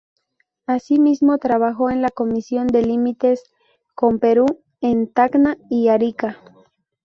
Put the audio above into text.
Asimismo, trabajó en la comisión de límites con Perú en Tacna y Arica.